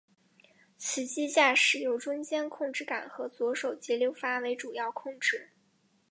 此机驾驶由中间控制杆和左手节流阀为主要控制。